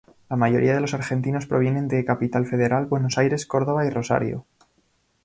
La mayoría de los argentinos provienen de Capital Federal, Buenos Aires, Córdoba y Rosario.